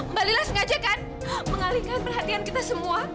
mbak lila sengaja kan mengalihkan perhatian kita semua